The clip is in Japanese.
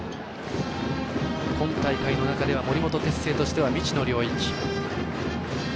今大会の中では森本哲星としては未知の領域。